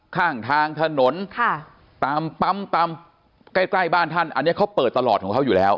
ข้างทางถนนตามปั๊มตามใกล้บ้านท่านอันนี้เขาเปิดตลอดของเขาอยู่แล้ว